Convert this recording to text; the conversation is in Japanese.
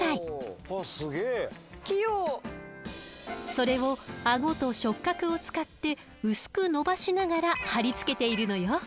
それをアゴと触角を使って薄くのばしながらはり付けているのよ。